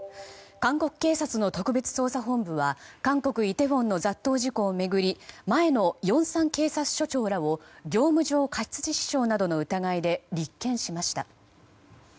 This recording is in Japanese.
韓国警察の特別捜査本部は韓国イテウォンの雑踏事故を巡り前のヨンサン警察署長らを業務上過失致死傷などの疑いで立件しました。